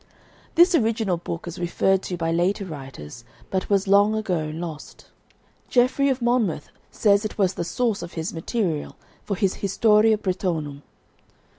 This original book is referred to by later writers, but was long ago lost. Geoffrey of Monmouth says it was the source of his material for his "Historia Britonum."